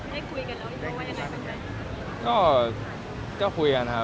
ให้คุยกันแล้วว่าอะไรมันไง